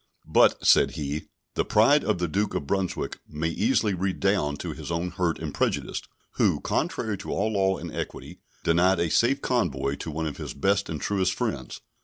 But, said he, the pride of the Duke of Brunswick may easily redound to his own hurt and prejudice, who, contrary to all law and equity, denied a safe convoy to one of his best and truest friends.